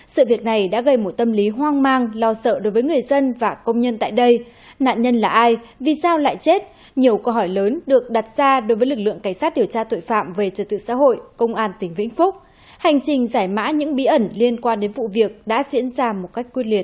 sự việc này đã gây một tâm lý hoang mang lo sợ đối với người dân và công nhân tại đây nạn nhân là ai vì sao lại chết nhiều câu hỏi lớn được đặt ra đối với lực lượng cảnh sát điều tra tội phạm về trật tự xã hội công an tỉnh vĩnh phúc hành trình giải mã những bí ẩn liên quan đến vụ việc đã diễn ra một cách quyết liệt